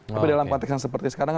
tapi dalam konteks yang seperti sekarang